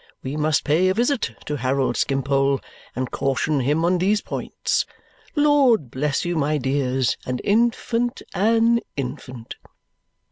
We must pay a visit to Harold Skimpole and caution him on these points. Lord bless you, my dears, an infant, an infant!"